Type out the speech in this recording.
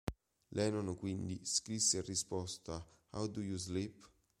Lennon quindi scrisse in risposta "How Do You Sleep?